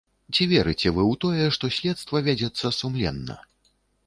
Ці верыце вы ў тое, што следства вядзецца сумленна?